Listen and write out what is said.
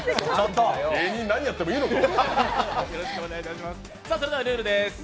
芸人、何やってもいいのか！